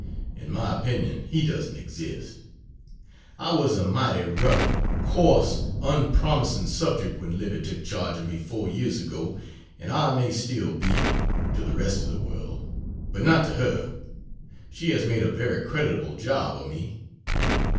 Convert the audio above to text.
In my opinion, he doesn't exist. I was a mighty rough, coarse, unpromising subject when Livy took charge of me 4 years ago, and I may still be, to the rest of the world, but not to her. She has made a very creditable job of me.